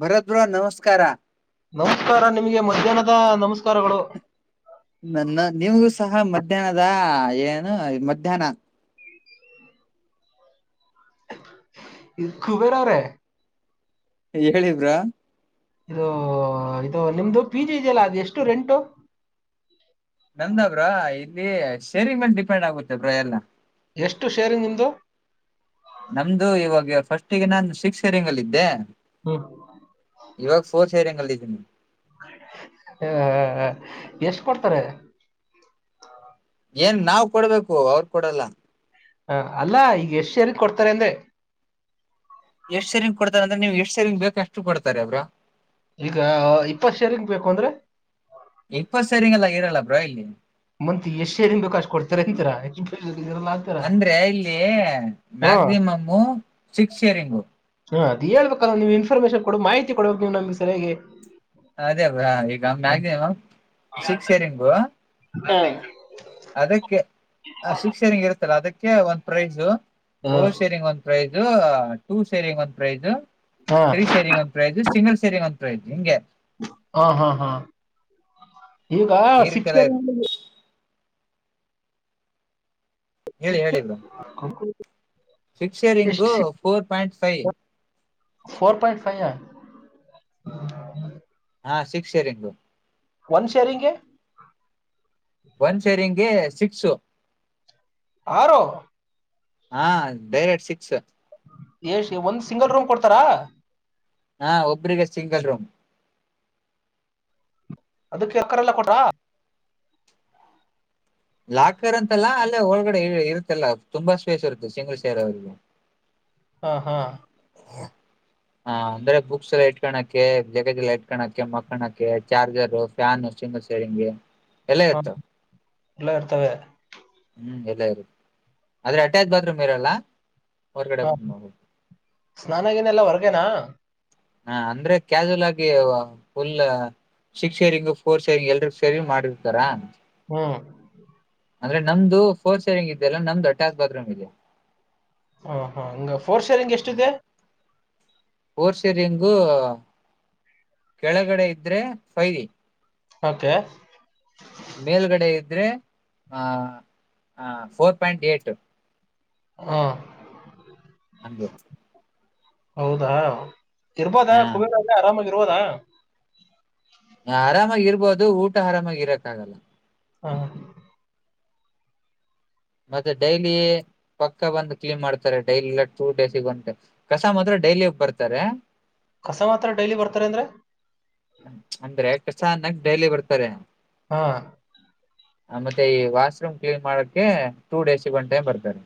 ಭರದಹ ನಮಸ್ಕಾರ ನಮಸ್ಕಾರ ನಿಮ್ಗೆ ಮಧ್ಯಾಹ್ನದ ನಮಸ್ಕಾರಗಳು ನನ್ನ ನಿಮಗೂ ಸಹ ಮಧ್ಯಾಹ್ನದ ಏನು ಮಧ್ಯಾಹ್ನ ಹ್ಮ ಇ ುಬೇ ರಾರ ಹೇಳಿದ್ರಾ ಇದು ಇದು ನಿಮ್ದು ಪಿ ಜಿ ಇದೆಯಲ್ಲಾ ಅದು ಎಷ್ಟು ರೆಂಟು ನಂದಬ್ರ ದು ಇ ಶೇರಿಂಗ ಮೇಲೆ ಡಿಪೆಂಡ್ ಆಗುತ್ತೆ ಅ ಬ್ರ ಎಲ್ಲ ಎಷ್ಟು ಶೇರಿಂಗ್ ನಿಮ್ದು ನಮ್ದು ಇವಾಗ ಫಸ್ಟ್ ಮಟ್ಟಿಗೆ ನಾನು ಶಿಕ್ ಸೆರಿ ಹೆಂಗಲ್ಲಿದ್ದೆ ಹ್ಮ್ ಇವಾಗ ಫೋರ್ ಸೇರಂಗಲ್ಲಿ ಹ್ಮ ಹ ಹಾ ಹ ಎಷ್ಟ ಕೊಡ್ತಾರೆ ಏನ್ ನಾವ್ ಕೊಡ್ಬೇಕು ಅವ್ರ ಕೊಡಲ್ಲ ಹ ಅಲ್ಲಾ ಈಗ ಎಷ್ಟ ಸರಿ ಕೊಡ್ತಾರೆ ಅಂದೆ ಎಷ್ಟ್ ಸೇರಿನ್ ಕೊಡ್ತಾರೆ ಅಂದ್ರೆ ನೀವು್ ಎಷ್ಟ್ ಸೇರಿಂಗ ಬೇಕಕ್ ಅಷ್ಟು ಕೊಡ್ತಾರೆ ಅವ್ರಾ ಈಗ ಇಪ್ಪತ್ ಶೇರ್ಂಗ ಬೇಕು ಅಂದ್ರೆ ರಲಿ ಮಂತತ್ ಎಷ್ಟು ಎಏನ್ ಬೇಕಾ ಅಷ್ಟ್ ಕೊಡ್ತಾರೆಂತರ ಅಂದ್ರೆ ಇಲ್ಲಿ ಹಾ ಮ್ಯಾಕ್ಸಿಮಮು ಸಿಕ್ಸ್ ಇಯರಿಂಗು ಹಾ ಅದ ಹೇಳ್ಬೇಕಲ್ಲ ನೀವವು ಇನ್ಫಾರ್ಮೇಶನ್ ಕೊ ಮಾಹಿತಿ ಕೊಡ್ಬೇಕು ನೀವ್ ನಮ್ಗೆ ಸರಿಯಗೆ ಅದೇ ಬ್ರಾ ಈಗ ಮ್ಯಾಕ್ಸಿಮಮ್ ಸಿಕ್ಸ್ ರಿಂಗು ಅದಕ್ಕೆ ಆ ಶಿಕ್ಷನಗ ಇರುತ್ತ ಅದಕ್ಕೆ ಒಂದ್ ಪ್ರೈಜ ಹಾ ಓ ಸರಿಂಗ ಒಂದ ಪ್ರಾಯ ಟೂ ಸೇರಿಂಗ್ ಒಂದ್ ಪ್ರೈಜ ಹಾ ಸರಿ ಸರಿ ಮತ್ ರಿಸ ಸಿಂಗಲ್ ಸೇರಿಂಗ ಅಂತ ಹೇಳಯ್ು ಹಂಗೆ ಹಾ ಹಾ ಹಾ ಈಗ ಈ ರೀತಿ ಶಿಕ್ಷ ಎಲ್ಲ ಇರು ಸಿ ಎಷ್ಟು ಫಿಕ್ಕ್ಷರಿಂಗು four point five four point five ಯ ಹಾ ಶಿಕ್ಷೆ ರಂಗು ಒನ್ ಶೇರಿಂಗ ಒಂದ್ ಸೇರಿ ಹಂಗೆ ಸಿಕ್ಕ್ಷು ಆರು ಹಾ ಬೈರೆಡ್ ಸಿ ಅಾ ಎಶ್ ಒಂದ್ ಸಿಂಗಲ್ ರೂಮ್ ಕೊಡ್ತಾರಾ ಹಾ ಒಬ್ರಿಗೆ ಸಿಂಗಲ್ ರೂಮ್ ಅದಕ್ಕೆ ಯಕ್ಕರೆಲ್ಲ ಕೊಟಾ ಲಾಕರ್ ಅಂತಲ್ಲ ಅಲ್ಲೇ ಒಳಗಡೆ ಇರುತ್ತಲ್ಲ ತುಂಬಾ ಸ್ಪೇಸ್ ಇರುತ್ತೆ ಸಿಂಗ್ ಸೇರ್ ಅವರಿಗೆ ಹಾ ಹಾ ಹ ಅಂದ್ರೆ ಬುಕ್ಸ್ ಎಲ್ಲ ಇಟ್ಕಳಕ ಜಗ ಎಲ್ಲ ಇಟ್ಕಳಕ ಮಕ್ಕಳಕ ಚಾರ್ಜರ್ ಫ್ಯಾನ್ ಸಿಂಗ ಸೇರಿಂಗಗೆ ಎಲ್ಲ ಹ ಇತ್ತು ಎಲ್ಲ ಅರ್ತವೆೇ ಹ್ಮ್ ಎಲ್ಲ ಇ ಆದ್ರೆ ಅಟ್ಯಾಚ್ ಬಾತ್ರೂಮ್ ಇರಲ್ಲ ಹೊರ್ಗಡೆ ಹಾ ಬಂದ್ ಮಾಡ್ಬೇಕು ಸ್ನಾನಾಗನೆಲ್ಲ ಹೊರ್ಗೇನಾ ಹಾ ಅಂದ್ರೆ ಕ್ಯಾಾಸುವಲ್ ಆಗಿ full six sharing four sharing ಎಲ್ರಿ ಸೇರಿ ಮಾಡಿರ್ತಾರ ಹ ಅಂದ್ರೆ ನಮ್ದು ಫೋರ್ ಸೇರಿಂಗ್ ಇದೆ ಅಲ್ಲ ನಮ್ದು ಅಟ್ಯಾಚಚ್ ಬಾತ್ರೂಮ್ ಇದೆ ಹಾ ಹಾ ಹಂಗ ಫೋರ್ ಶೇರಿಂಗ್ ಎಷ್ಟಿದೆ ೋರ್ಷಿರಿಂಗೂ ಕೆಳಗಡೆ ಇದ್ರೆ ಫೈರಿ ಓಕೆ ಮೇಲ್ಗಡೆ ಇದ್ರೆ ಆ ಫೋರ್ ಪಾಯಿಂಟ್ ಏಟ್ ಹಾ ಹೆ ಹೌದಾ ಇರ್ಬೋದಾ ಹ ಕುಬೇರ್ ಆಗಿ ಆರಾಮಾಗಿ ದಾ ಆರಾಮಾಗಿ ಇರ್ಬೋದು ಊಟ ಆರಾಮಾಗಿ ಇರಕ್ಕ ಆಗಲ್ಲ ಹಾ ಮತ್ತೆ ಡೈಲಿ ಪಕ್ಕ ಬಂದು ಕ್ಲೀನ್ ಮಾಡ್ತಾರೆ ಡೈಲಿ ಟೂ ಡೇ ಸಿಗಂಟೆ ಕಸ ಮಾತ್ರ ಡೈಲಿ ಒ ಬರ್ತಾರೆ ಕಸ ಮಾತ್ರ ಡೈಲಿ ಬರ್ತಾರ ಅಂದ್ರೆ ಅಂದ್ರೆ ಅನ್ನಕ್ಕ ನಗ್ ಡೈಲಿ ಬರ್ತಾರೆ ಹಾ ಮತ್ತೆ ಈ ವಾಶ್ರೂಮ್ ಕ್ಲೀನ್ ಮಾಡಕ್ಕೆ ಟೂ ಡೇಸಿಗೆ ಒನ್ ಟೈಮ್ ಬರ್ತಾರೆ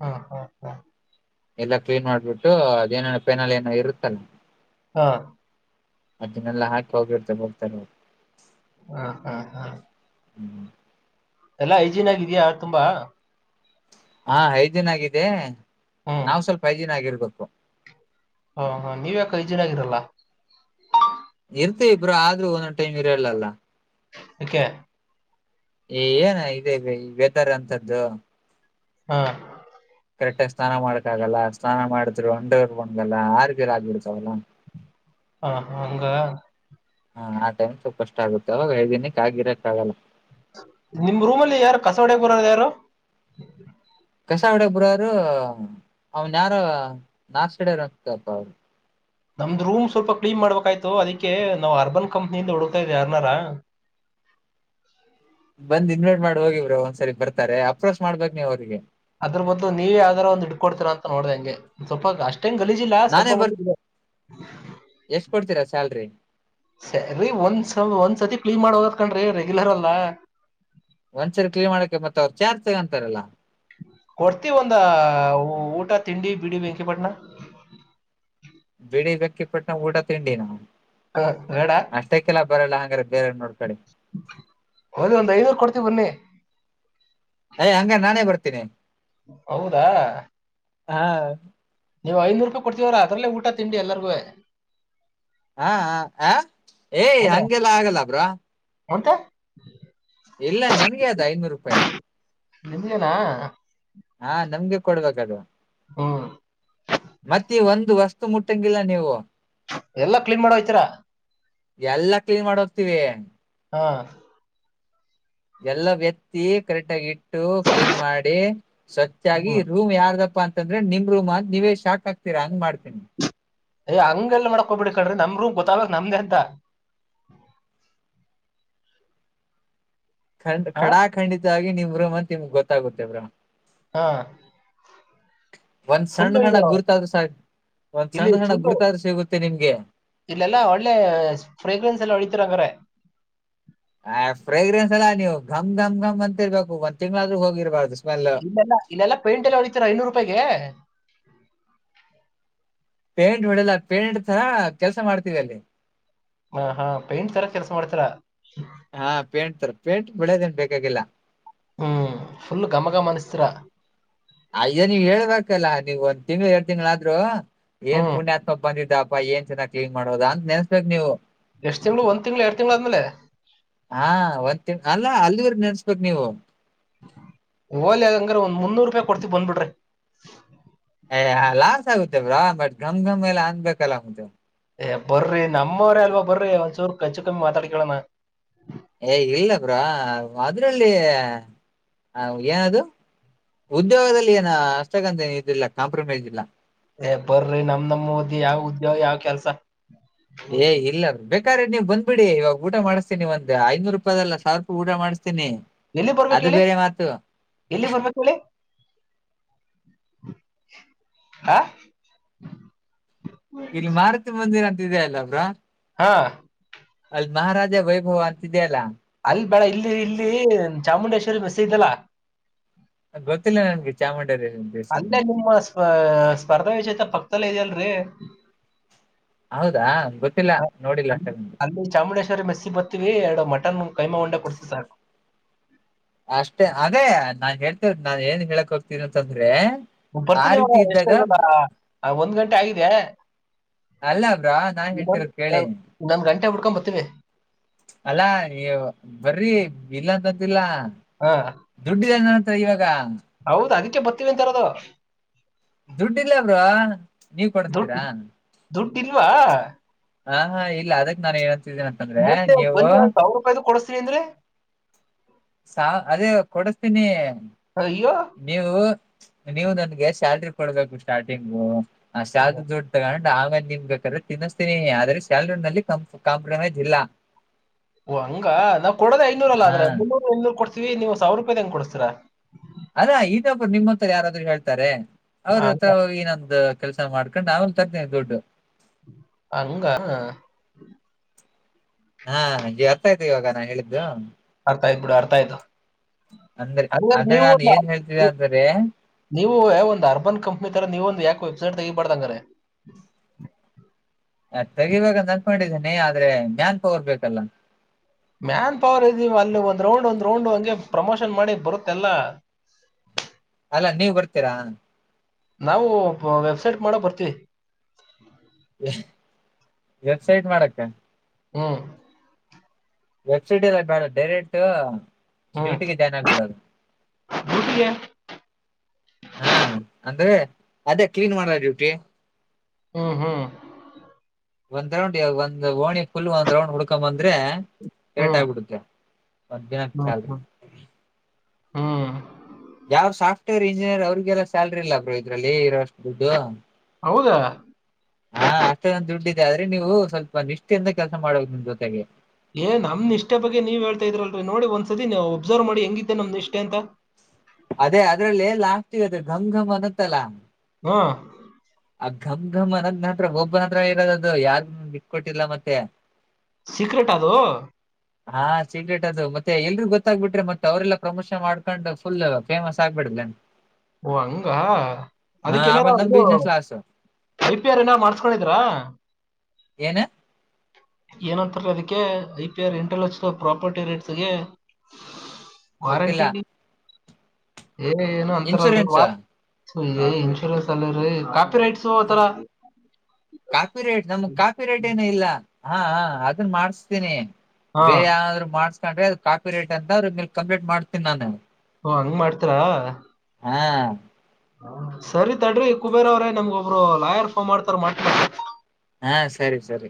ಹಾ ಹಾ ಹಾ ಎಲ್ಲ ಕ್ಲೀನ್ ಮಾಡ್ಬಿಟ್ಟು ಅದೇನೇನೋ ಪೆನಲ್ ಏನೋ ಇರುತ್ತಲ್ಲ ಹಾ ಅದನ್ನೆಲ್ಲಾ ಹಾಕಿ ಹೋಗಿರ್ತ ಹೋಗ್ತಾರೆ ಹಾ ಹಾ ಹಾ ಹ್ಮ್ ಎಲ್ಲಾ ಐಜನ್ ಆಗಿದಯಾ ತುಂಬಾ ಆ ಹೈಜಿನ್ ಆಗಿದೆ ಹ್ಮ್ ನಾವವು ಸ್ವಲ್ಪ ಐಜಿನನ್ ಆಗಿರ್ವಿ ಇ ಹ ನೀವ ಯಕ ಐ ಜನ್ ಆಗಿರಲ್ಲಾ ಇರ್ತ ಇಬ್ರ ಆದ್ರೂ ಒಂ ಟೈಮ ಇರಲ್ಲಲ್ಲ ಕ್ಕೆೆ ಏನ ಇದೆ ಬತರ್ ಅಂತದ್ದು ಹಾ ಕರೆಕ್ಟ್ ಆಗಿ ಸ್ನಾನ ಮಾಡಕ ಆಗಲ್ಲ ಸ್ನಾನ ಮಾಡಿದ್ರು ಅಂಡವರ್ ಬಣಗಲ್ಲ ಆರ್ಗಲ್ ಆಗ್ಬಿಡ್ತಾವಲ್ಲ ಹಾ ಹಂಗ ಹಾ ಆಟೈಮ್ ಸ್ವಲ್ಪ ಕಷ್ಟ ಆಗುತ್ತೆ ಅವಾಗ ಐದಿನಿಕ್ಕೆ ಆಗಿರಕ್ ಆಗಲ್ಲ ನಿಮ್ ರೂಮ್ ಅಲ್ಲಿ ಯಾರು ಕಸೋಡ ಬರದ ಯಾರು ಕಸಗಡಬರರು ಅವನ್ಯಾರ ನಾರ್ಸಡರು ಹತಪ್ಪ ಅವರು ನಮ್ದ್ ರೂಮ್ ಸ್ವಲ್ಪ ಕ್ಲೀನ್ ಮಾಡ್ಬೇಕಾಯ್ತು ಅದಕ್ಕೆ ನಾವವು ಅರ್ಬನ್ ಕಂಪ್ನಿಯಿಂದ ಹಡತಾ ಇದ್ವಿ ಯಾರನಾರ ಬಂದ್ ಇನ್ವೇಟ್ ಮಾಡಿ ಹೋಗಿವ್ರರು ಒಂದ್ಸರಿ ಬರ್ತಾರೆ ಅಪ್ರೋಚ್ ಮಾಡ್ಬಕ್ ನೀವ ಅವ್ರಿಗೆ ಅದ್ರ ಬದಲು ನೀವು ಯಾವ್ದಾರ ಒಂದು ಇಡ್ಕಡ್ತೀರ ಅಂತ ನೋಡ್ದ ಹಂ ಸ್ವಲ್ಪ ಅಷ್ಟ ಗಲೀಜಿಲ್ಲ ಸ್ವಲ್ಪ ನಾನೇ ಬರ್ ಮಟ್ಟ ಇ ಎಷ್ಟ್ ಕೊಡ್ತೀರಾ ಸ್ಯಾಲ್ರಿ ಸ ಒಂದ ಒಂದ್ ಸತಿ ಕ್ಲೀನ್ ಮಾಡ ಕನ್ ರೆಗ್ಯುಲರ್ ಅಲ್ಲ ಒಂದ್ಸರಿ ಕ್ಲೀನ್ ಮಾಡಕೆ ಮತ್ತೆ ಅವ್ರ ಚಾರ್ಜ ತಗೊಂತಾರಲ್ಲ ಕೊಡ್ತಿೀವಿ ಒಂದ ಊಟ ತಿಂಡಿ ಬಿಡಿ ಬೆಂಕಿಪಟ್ಣ ಬಿಡಿ ವ್ಯಕ್ಕಿಪಟ್ಟಣ ಊಟ ತಿಂಡಿನ ಹ ೇಡಾ ಬರಲ್ಲ ಹಾಗಂಗ್ರೆ ಬೇರೆ ನೋಡ್ಕಿ ಹೌದ ಒಂದು ಐದ ನೂರು ಕೊಡ್ತೀವಿ ಬನ್ನಿ ಯ ಹಂಗ ನಾನೇ ಬರ್ತೀನಿ ಹೌದಾ ಹಾ ನೀವು ಐನೂರು ರೂಪಾಯಿ ಕೊಡ್ತೀವರ ಅದ್ರಲ್ಲೇ ಊಟ ತಿಂಡಿ ಎಲ್ಲರಿಗುವೆ ಹಾ ಹ ಏಯ ಹ್ಮ ಹಗೆಲ್ಲ ಆಗಿಲ್ಲ ಬ್ರೋ ಮತ್ತೆ ಇಲ್ಲ ನನ್ಗೆ ಅದು ಐನೂರು ರೂಪಾಯಿ ನಿಮ್ದೇನಾ ಹಾ ನಮ್ಗೆ ಕೊಡ್ಬೇಕದು ಹೂ ಮತ್ತೆ ಒಂದು ವಸ್ತು ಮುಟ್ಟಂಗಿಲ್ಲ ನೀವು ಎಲ್ಲಾ ಕ್ಲೀನ್ ಮಾಡ ಹೋಯ್ತೀರಾ ಎಲ್ಲಾ ಕ್ಲೀನ್ ಮಾಡಿ ಹೋಗ್ತೀವಿ ಹಾ ಎಲ್ಲಾ ವೆಂತಿ ಕರೆಕ್ಟ್ ಆಗ ಇಟ್ಟ ಕ್ಲೀನ್ ಮಾಡಿ ಸ್ವಚವಾಗಿ ರೂಮ್ ಯಾರ್ದಪ್ಪ ಅ ಅಂದ್ರೆ ನಿಮ ರೂಮ ನೀವೇ ಶಾಕ್ ಆಗ್ತೀರಾ ಹಂಗ್ ಮಾಡ್ತೀನಿ ಯ್ ಹಂಗ ಎಲ್ಲ ಮಾಡ್ಕೊಬಿಡ್ ಕಣ್ರಿ ನಮ್ರೂ ಗೊತ್ತಾಗಕ್ ನಮ್ದೇ ಅಂತ ಖಂಡ್ ಹಾ ಖಡಾ ಖಂಡಿತ ಇದಾಗಿ ನಿಮ್ಮ್ ಮಂತತ್ ನಿಮ್ಗ್ ಗೊತ್ತಾಗುತ್ತೆ ಬ್ರೋ ಹಾ ಒಂದ್ ಫುಲ್ಲು ಸಣ್ಣ ಸಣ್ಣ ಇದು ಗುರ್ತಾದ್ರೂ ಸಾಕ್ ಒಂದ್ ಇಲ್ಲಿ ಸಣ್ಣ ಸಣ್ಣ ಫುಡ್ ಗುರ್ತಾದ್ರೂ ಸಿಗುತ್ತೆ ನಿಮ್ಗೆ ಇಲ್ಲೆಲ್ಲಾ ಒಳ್ಳೆ ಫ್ರಗ್ರೆನ್ಸ್ ಎಲ್ಲ ಹೊಳತಿರ ಹಂಗ್ರ ಆ ಫ್ರೇಗ್ರೆನ್ಸ್ ಅಲ್ಲಾ ನೀವು ಘ್ ಮ್ ಮ್ ಅಂತಿರ್ಬೇಕು ಒಂದ್ ತಿಂಗಳಾದ್ರೂ ಹೋಗಿರಬಾರ್ದು ಇಲ್ಲೆಲ್ಲಾ ಇಲ್ಲೆಲ್ಲ ಪೇಂಟ್ ಎಲ್ಲ ಹೊಡಿತೀರ ಐನೂರು ರೂಪಾಯಗೆ ಹೂ ಪೇಂಟ್ ಹೊಡಲ್ಲ ಪೇಂಟ್ ತರಾ ಕೆಲ್ಸ ಮಾಡ್ತೀವಿ ಅಲ್ಲಿ ಹ ಹಾ ಪೇಂಟ್ ತರ ಕೆಲಸ ಮಾಡ್ತರಾ ಹಾ ಪೇಂಟ್ ತರ ಪೇಂಟ್ ಒಳ್ಳೆದೇನ್ ಬೇಕಾಗಿಲ್ಲ ಹ ಫುಲ್ ಘಮಗಮ ಅನಿಸತರ ಅಯ್ಯ ನೀವು ಹೇಳ್ಬೇಕಲ್ಲಾ ನೀವ್ ಒಂದ್ ತಿಂಳ ಎರಡ್ ತಿಂಗಳಾದರೂ ಏನ್ ಹ್ಮ್ ಪುಣ್ಯಾತ್ಮ ಬಂದಿದ್ದ ಾ ಏನ್ ಚನನ್ನ ಕ್ಲೀನ್ ಮಾಡೋುದ ಅ ನೆಸ್ಬೇಕಕ್ ನೀವು ಎಷ್ಟ ತಿಂಗಳು ಒಂದ್ ತಿಂಳ ಎರಡ್ ತಿಂಗಳು್ಮೇಲೆ ಲ್ಲ ಅಲ್ಲಿವ್ರ ನೆನ್ಸ್ಬೇಕಕ್ ನೀವು ಓಲ್ ಅದಂಗ್ರೆ ಒಂದ್ ಮುನ್ನೂರು ರೂಪಾಯಿ ಕೊಡ್ತ್ ಬಂದ್ಬಿಟ್ರಿ ಏ ಲಾಸ್ ಆಗುತ್ತೇ ಬ್ರೋ ಬಟ್ ಗಮ್ ಗಮ್ ಎಲ್ಲ ಅನ್ಬೇಕಲ್ಲ ಆ ಬರ್ರಿ ನಮ್ಮವರ ಅಲ್ವಾ ಬರ್ರಿ ಒಂದ್ಚೂರು ಕಚ್ಚು ಕಮ್ಮಿ ಮಾತಾಡ್ಕಳೋಣ ಏ ಇಲ್ಲ ಬ್ರೋ ಅದ್ರಲ್ಲಿ ಏನದು ಉದ್ಯೋಗದಲ್ಲಿ ಏನ ಅಷ್ಟಕ್ಕಂತ ಇದಿಲ್ಲ ಕಾಂಪ್ರಮೈಸ್ ಇಲ್ಲ ಏ ಬರ್ರಿ ನಮ ನಮ್ ಓದಿ ಯಾವ್ ಉದ್ಯೋಗ ಯಾವ್ ಕೆಲ್ಸ ಏ ಇಲ್ಲಾರ ಬ ನೀವು ಬಂದಬ ಬಿಡಿ ಇವ ಊಟ ಮಾಡ್ತೀ ನೀ ಒ ಐೂರು ರೂಪಾಯ ಅಲ್ಲ ಸಾವಿ ರೂಪಾಯ ಊಟ ಮಾಡ್ತ ಎಲ್ಲಿ ಬರ್ಬೇಕು ಹೇಳಿ ಎಲ್ಲಿ ಬರ್ಬೇಕ ಹೇಳಿ ಹ ಇಲ್ಲಿ ಮಾರ್ತಿ ಬಂದಿರ ಅಲ್ಲ ಬ್ರೋ ಹಾ ಅಲ್ಲಿ ಮಹಾರಾಜ ವೈಭವ ಅಂತಿದೆಯ ಅಲ್ಲಾ ಅಲ್ಲಿ ಬೇಡ ಇಲ್ಲಿ ಇಲ್ಲಿ ಚಾಮುಂಡೇಶ್ವರಿ ಮೇಸ್ ಇದ್ದಲ್ಲ ಅ ಗೊತ್ತಿಲ್ಲ ನನ್ಗೆ ಚಾಮುಂಡಿ ಅಂದೇ ನಿಮ್ಮ ಸ್ಪ ಸ್ಪರ್ಧಾ ವಿಚೇತ ಪಕ್ಕ ಲ್ಲ ಇದ ಅಲ್ರರಿ ಹೌದಾ ಗೊತ್ತಿಲ್ಲ ಹ ಅ ನೋಡಿಲ್ಲ ಅಷ್ಟೊಂದು ಅಲ್ಲಿ ಚಾಮುಂಡೇಶ್ವರಿ ಮೆಸ್ಸಿ ಬರ್ತೀವಿ ಎರಡು ಮಟನ್ ಕೈಮ ಉಂಡಾ ಕೊಡ್ಸ ಸರ್ ಅಷ್ಟೇ ಅದೇ ನಾನ್ ಹೇಳ್ತ ನಾನ್ ಏನ್ ಹೇಳಕ್ ಹ್ತೀನಿ ಅಂತಂದ್ರೆ ಆ ಬರ್ತೀನಿ ರೀತಿ ಇವಾಗ ಎಷ್ಟ ಇದ್ದಾಗ ಇವಾಗ ಒಂದ್ ಗಂಟೆ ಆಗಿದೆ ಅಲ್ಲ ಬ್ರಾ ನಾನ್ ಹೇಳ್ತಿರೋದ್ ಕೇಳಿ ಗಂಟೆ ಹಡ್ಕೊಂಬ ಬತೀವೆ ಅಲ್ಲಾ ನೀ ಬರ್ರಿ ಇಲ್ಲಂದ ಇಲ್ಲ ದುಡ್ಡಿದೆನ ಇವಾಗ ಹೌದ ಬರ್ತೀವಿ ಅಂತಾರದು ದುಡ್ಡಿಲ್ಲ ಬ್ರೋ ನೀವ ದುಡ್ಡು ಕೊಡಸ್ತೀರಾ ದುಡ್ಡು ಇಲ್ವಾ ಹಾ ಹಾ ಇಲ್ಲ ಅದಕ್ ನಾನ್ ಹೇಳ ಮತ್ತೆ ಒಂದ ಸಾವಿರ ರೂಪಾಯ್ದ ಕೊಡಸ್ತೀನಿ ಅಂದ್ರೆ ಸ ಅದೇ ಕೊಡಿಸತೀನಿ ಅಯ್ಯೋ ನೀವು ನೀವು ನನ್ಗೆ ಸ್ಯಾಲ್ರಿ ಕೊಡ್ಬೇಕು ಸ್ಟಾರ್ಟಿಂಗು ಆ ಸ್ಯಾಲರಿ ದೊಡ್ ತಗೊಂಡ ನಾವೇ ನಿನ್ ಬೇಕಾದ್ರೆ ತಿನ್ನಿಸ್ತೀನಿ ಆದ್ರೆ ಸ್ಯಾಲರಿಲೀ ಕಾಂಪ್ರಮೈಸ್ ಇಲ್ಲ ಹಂಗ ನಾವ್ ಕೊಡದ ಐನೂರ ಅಲ್ಲ ಹಾ ಆದರೆ ಮುನ್ನೂರಐನೂರು ಕೊಡ್ತ [unintelligible] ನೀವು ಸಾವಿರ ರೂಪಾಯಿ ತಂಗ್ ಕೊಡ್ಸ್ತೀಾ ಅದೇ ಇದೇ [unintelligible] ನಿಮ್ಮ ಹತ್ರ ಯಾರಾದ್ರು ಹೇಳ್ತಾರೆ ಅವ್ರ ಹತ್ರ ಹಂಗ ಹೋಗಿ ನೊಂದು ಕೆಲ್ಸ ಮಾಡ್ಕೊಂಡು ಆ ತಗತೇನೆ ದುಡ್ಡು ಹಂಗ ಹಾ ಜಿ ಅರ್ಥ ಆಯ್ತೆ ಇವಾಗ ನಾನ್ ಹೇಳಿದ್ದು ಅರ್ಥ ಆಯ್ತ್ ಬಿಡ ಅರ್ಥ ಆಯ್ತು ಅಂದ್ರೆ ಅಂದ್ರೆ ನೀವು ನಾನು ಏನ್ ಹೇಳ್ತಿದ್ದೆ ಅಂದ್ರೆ ನೀವು ಒಂದು ಅರ್ಬನ್ ಕಂಪ್ನಿ ತರ ನೀವೊಂದು ಯಾಕೋಯ್ತು ತಗಿಪಡ್ದಂಗ್ರ [unintelligible] [inaudible] ತೆಗಿವಾಗ ಅನ್ಕೊಂಡಿದ್ದೇನನೆ ಆದ್ರೆ ಮ್ಯಾನ್ ಪವರ್ ಬೇಕಲ್ಲ ಮ್ಯಾನ್ ಪವರ್ ಇದೀವಿ ಅಲ್ಲಿ ಒಂದ್ ರೌಂಡ್ ಒಂದ್ ರೌಂಡ್ ಹಂಗೆ ಪ್ರಮೋಷನ್ ಮಾಡಿ ಬರುತ್ತಲ್ಲ ಅಲ್ಲ ನೀವ ಬರ್ತೀರಾ ನಾವು ವೆಬ್ಸೈಟ್ ಮಾಡ ಬರ್ತಿೀವಿ ವೆ ವೆಬ್ಸೈಟ್ ಮಾಡಕ್ಕ ಹ್ಮ್ ವೆಬ್ಸೈಟ್ ಎಲ್ಲ ಬೇಡ ಡೈರೆಕ್ಟ್ ಹ್ಮ್ ಡ್ಯೂಟಿಗೆ ಜಾಯ್ನ್ ಆಗ್ಬಿಡೋದು ಡ್ಯೂಟಿಗೆ ಹಾ ಅಂದ್ರೆ ಅದೇ ಕ್ಲೀನ್ ಮಾಡಲ ಡೂಟಿ ಹ್ಮ್ ಹ್ಮ್ ಒಂದ್ ರೌಂಡ್ ಒಂದ ಒಣಿ ಫುಲ್ ಒಂದ್ ರೌಂಡ್ ಹುಡ್ಕೊಂಬಂದ ಆದ್ರೆ ಕರೆಟ್ ಹ್ಮ್ ಆಗ್ಬಿಡುತ್ತೆ ಹ್ಮ್ [inaudible] ಹ್ಮ್ ಹ್ಮ್ ಯಾರ ಸಾ್ ರ್ ಇಂಜಿನಿಯರ್ ಅವ್ರರಿಗೆಲ್ಲ ಸ್ಯಾಲ್ರಿ ಇಲ್ಲ ಬ್ರೋ ಇದ್ರಲ್ಲಿ ಇರಷ್ಟದು ಹೌದಾ ಹಾ ಅತ್ತ ಒಂದು ದುಡ್ಡ ಆದ್ರೆ ನೀವು ಸ್ವಲ್ಪ ನಿಷ್ಠೆಯಿಂದ ಕೆಲಸ ಮಾಡ್ಬೇಕು ನಿಮ್ ಜೊತೆಗೆ ಏ ನಮ್ ಇಷ್ಟ ಬಗ್ಗೆ ನೀ್ ಹೇಳ್ತಾ ಇದ್ರಲ್ರಿ ನೋಡಿ ಒಂದ್ಸದ ನೀವು ಒಬ್ಸರ್ವ್ ಮಾಡಿ ಹೆಂಗಿದ್ದೆ ನಮ್ದ್ ಇಷ್ಟೆ ಅಂತ ಅದೇ ಅದ್ರಲ್ಲಿ ಎಲ್ಲ ಘಮ್ ಘಮ್ ಅನ್ನುತ್ತಲಾ ಹಾ ಮ್ ಘಮ್ ಅನದ್ನತ್ರ ಒಬ್ ಹತ್ರ ಇರೋದ ಅದು ಯಾರ ಬಿಕ್ಕೊಟ್ಟಿಲ್ಲ ಮತ್ತೆ ಸೀಕ್ರೆಟ್ ಅದು ಹಾ ಸೀಕ್ರೆಟ್ ಅದು ಮತ್ತೆ ಎಲ್ರಿ ಗೊತ್ತಾಗ್ಬಿಟ್ರೆ ಮತ್ತೆ ಅವ್ರಲ್ಲ ಪ್ರಮೋಷನ್ ಮಾಡ್ಕೊಂಡ್ ಫುಲ್ ಫೇಮಸ್ ಆಗ್ಬಿಡಲನ್ ಓ ಹಂಗ ಅದಕ್ಕ ಏನಾರ ಆಮೇಲೆ ನಮ್ ಬಿಸ್ನೆಸ್ ಲಾಸ್ ಐಪಿ ಆರ್ ಏನ್ ಮಾಡ್ಸ್ಕೊಂಡಿದ್ರಾ ಏನು ಏನಂತಾರೆ ಅದಕ್ಕೆ I P R intellectual property ರೇಟ್ಸ್ಗೆ ಗೊತ್ತಿಲ್ಲ ವಾರಂಟಿ ಏ ಏನು ಅಂತಾರಲ್ರರಿ ಇನ್ಶೂರೆನ್ಸ್ ವಾ ಸೊ ಇನ್ಸೂರನ್ಸ್ ಅಲ್ಲಾ ಹ ಕಾಫಿ ರೇಟ್ ನಮಗ್ ಕಾಫಿ ರೇಟ್ ಏನು ಇಲ್ಲ ಹಾ ಅದನ್ನ ಮಾಡಸ್ತೀನಿ ಹಾ ಬೇರೆ ಯಾವನಾದ್ರು ಮಾಡ್ಸ ಅ ಕಾಪ ರೇಟ್ ಅ ಅವ್ರ ಮೇಲೆ ಕಂಪ್ಲೇಟ್ ಮಾಡ್ತೀ ನಾನು ಓ ಹಂಗ ಮಾಡ್ತಾರಾ ಹಾ ಸರಿತಡ್ರಿ ಕುಬೇರ ಅವ್ರೇ ನಮ್ಗೊಬ್ಬರು ಲಾಯರ್ ಫೋನ್ ಮಾಡ್ತಾರ ಮಾ ಹಾ ಸರಿ ಸರಿ